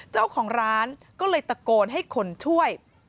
เจ้าของร้านก็เลยตะโกนให้คนช่วย